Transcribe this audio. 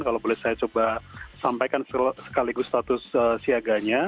kalau boleh saya coba sampaikan sekaligus status siaganya